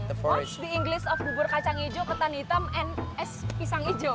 apa bahasa inggris bubur kacang hijau ketan hitam dan pisang hijau